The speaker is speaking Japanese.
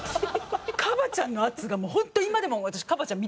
ＫＡＢＡ．ちゃんの圧がホント今でも私ＫＡＢＡ．ちゃん